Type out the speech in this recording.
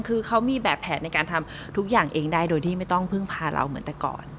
คือเขามีแบบแผนในการทำทุกอย่างเองได้โดยที่ไม่ต้องพึ่งพาเราเหมือนแต่ก่อน